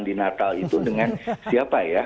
di natal itu dengan siapa ya